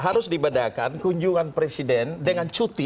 harus dibedakan kunjungan presiden dengan cuti